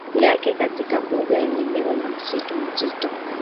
yake katika moja ya eneo la msitu mzito